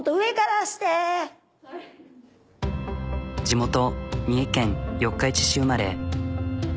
地元三重県四日市市生まれ。